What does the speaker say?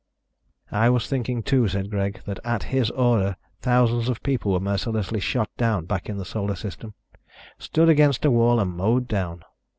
"I was thinking, too," said Greg, "that at his order thousands of people were mercilessly shot down back in the Solar System. Stood against a wall and mowed down.